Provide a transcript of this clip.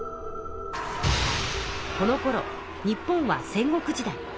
このころ日本は戦国時代。